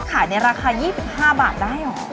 ขายในราคา๒๕บาทได้เหรอ